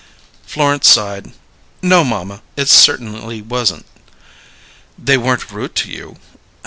Florence sighed. "No, mamma, it cert'nly wasn't." "They weren't rude to you?"